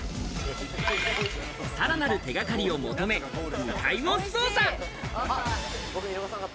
さらなる手掛かりを求め、２階を捜査。